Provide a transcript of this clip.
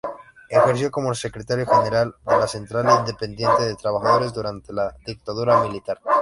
Ejerció como secretario general de la Central Independiente de Trabajadores durante la dictadura militar.